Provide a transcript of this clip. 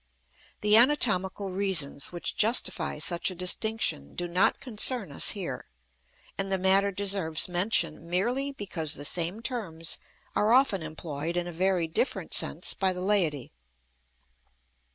The anatomical reasons which justify such a distinction do not concern us here, and the matter deserves mention merely because the same terms are often employed in a very different sense by the laity.